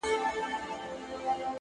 حقیقت تل خپله لاره پیدا کوي’